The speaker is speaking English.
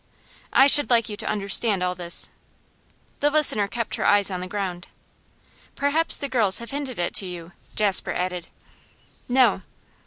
I should like you to understand all this.' The listener kept her eyes on the ground. 'Perhaps the girls have hinted it to you?' Jasper added. 'No.